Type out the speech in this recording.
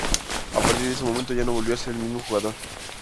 A partir de ese momento, ya no volvió a ser el mismo jugador.